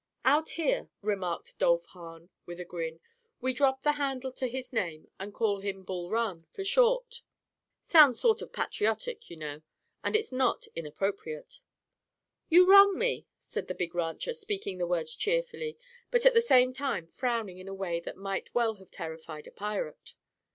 "Out here," remarked Dolph Hahn, with a grin, "we drop the handle to his name and call him 'Bul Run' for short. Sounds sort of patriotic, you know, and it's not inappropriate." "You wrong me," said the big rancher, squeaking the words cheerfully but at the same time frowning in a way that might well have terrified a pirate.